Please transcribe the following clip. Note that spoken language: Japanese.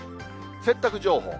洗濯情報。